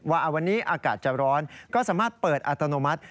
ว่าวันนี้อากาศจะร้อนก็สามารถเปิดอัตโนมัติ